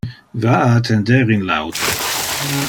Va a attender in le auto.